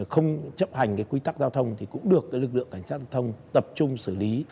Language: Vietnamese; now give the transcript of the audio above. không chấp hành quy tắc giao thông thì cũng được lực lượng cảnh sát giao thông tập trung xử lý